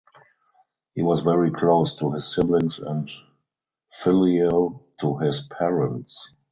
He was very close to his siblings and filial to his parents.